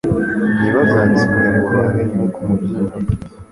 ntibazatsinde ngo bankine ku mubyimba»